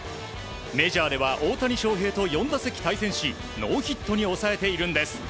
メジャーでは大谷翔平と４打席対戦しノーヒットに抑えているんです。